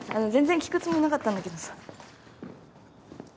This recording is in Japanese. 全然聞くつもりなかったんだけどさ。